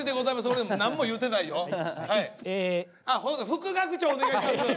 副学長お願いします。